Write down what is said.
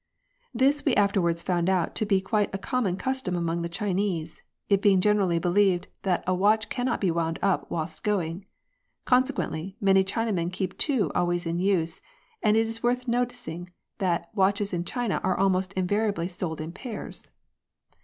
This we afterwards found out to be quite a common custom among the Chinese, it being generally believed that a watch cannot be wound up whilst going ; con sequently, many Chinamen keep two always in use, and it is worth notreing that watches in China are almost invariably sold in pairs.